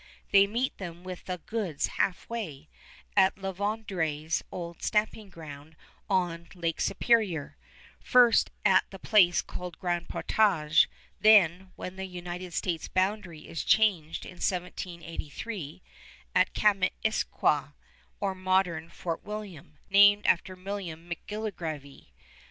They meet them with the goods halfway, at La Vérendrye's old stamping ground on Lake Superior, first at the place called Grand Portage, then, when the United States boundary is changed in 1783, at Kaministiquia, or modern Fort William, named after William McGillivray.